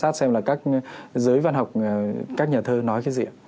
quan sát xem là các giới văn học các nhà thơ nói cái gì